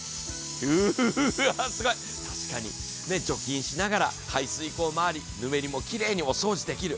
うわ、すごい、確かに除菌しながら排水溝回り、ぬめりもきれいにお掃除できる。